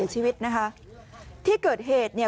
กลุ่มหนึ่งก็คือ